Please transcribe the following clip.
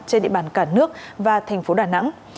trên địa phương